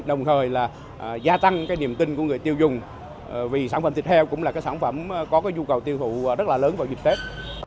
đồng thời là gia tăng cái niềm tin của người tiêu dùng vì sản phẩm thịt heo cũng là cái sản phẩm có nhu cầu tiêu thụ rất là lớn vào dịp tết